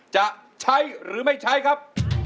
จะใช้หรือไม่ใช้ครับ